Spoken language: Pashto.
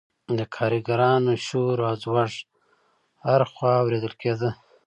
د کارګرانو شور او ځوږ هر خوا اوریدل کیده.